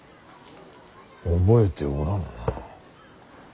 覚えておらんな。